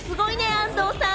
安藤さん。